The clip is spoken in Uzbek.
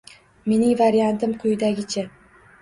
Mening variantim quyidagicha